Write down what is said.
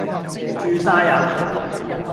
住晒呀